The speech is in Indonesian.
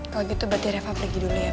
kalau gitu berarti reva pergi dulu ya pi